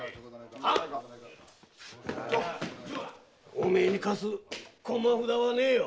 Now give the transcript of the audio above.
おめえに貸す駒札はねえよ。